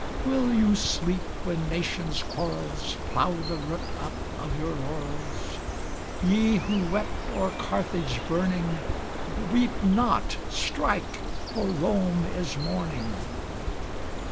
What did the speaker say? Will you sleep when nations' quarrels Plow the root up of your laurels? Ye who wept o'er Carthage burning, Weep not strike! for Rome is mourning!